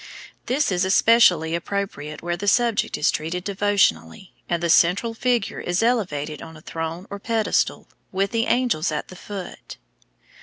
This is especially appropriate where the subject is treated devotionally, and the central figure is elevated on a throne or pedestal, with the angels at the foot.